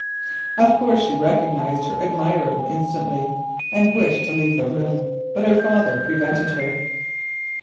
Of course she recognised her admirer instantly, and wished to leave the room, but her father prevented her.